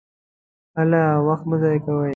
هلئ! وخت مه ضایع کوئ!